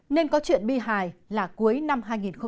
nên có chuyện bi hài là cuối năm hai nghìn một mươi tám